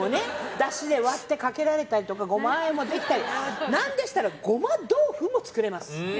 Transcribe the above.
だしで割ってかけられたりとかゴマあえもできたり何でしたら、ゴマ豆腐も作れます。